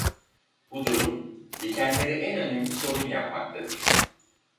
Bu durum likenleri en önemli sorun yapmaktadır.